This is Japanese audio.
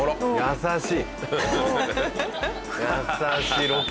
優しい。